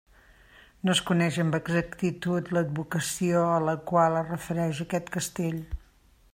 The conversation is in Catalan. No es coneix amb exactitud l'advocació a la qual es refereix aquest castell.